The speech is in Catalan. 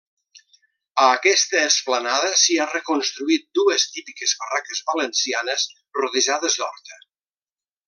A aquesta esplanada s'hi ha reconstruït dues típiques barraques valencianes, rodejades d'horta.